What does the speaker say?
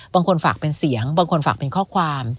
บางคนฝากเป็นเสียงบางคนฝากเป็นข้อความ